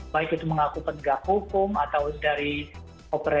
baik itu mengaku penegak hukum atau dari operator